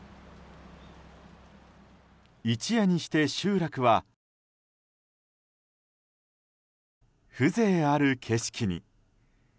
一夜にして集落は風情ある景色に。